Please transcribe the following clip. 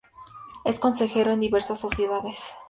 Es consejero en diversas sociedades.